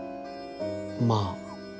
まあ。